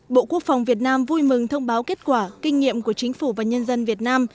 bộ quốc phòng việt nam vui mừng thông báo kết quả kinh nghiệm của chính phủ và nhân dân việt nam